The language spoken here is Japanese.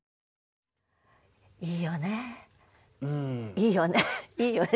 いいよねいいよね。